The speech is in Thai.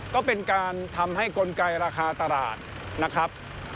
ก็เป็นการทำให้กลไกราคาตลาดนะครับ